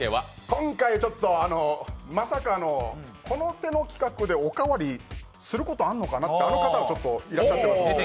今回、ちょっと、まさかのこの手の企画でおかわりすることあるのかなという方がいらっしゃって。